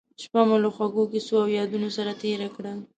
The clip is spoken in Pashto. شپه مو له خوږو کیسو او یادونو سره تېره کړه.